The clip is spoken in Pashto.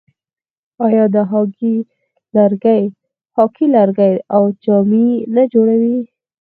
آیا د هاکي لکړې او جامې نه جوړوي؟